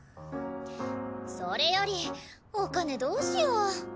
それよりお金どうしよう！